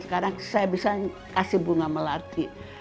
sekarang saya bisa kasih bunga melati